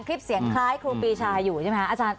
คลิปเสียงคล้ายครูปีชายอยู่ใช่ไหมคะ